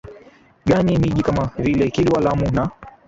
gani miji kama vile Kilwa Lamu na